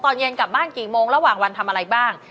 ตอนเย็นกลับบ้านกี่โมงระหว่างวันทำอะไรบ้าง